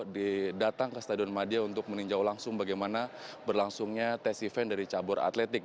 didatang ke stadion madia untuk meninjau langsung bagaimana berlangsungnya tes event dari cabur atletik